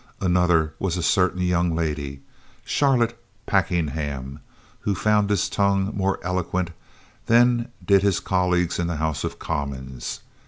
Another was a certain young lady, Charlotte Packenham, who found his tongue more eloquent than did his colleagues in the House of Commons.